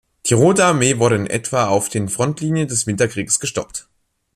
Die Rote Armee wurde in etwa auf den Frontlinien des Winterkrieges gestoppt.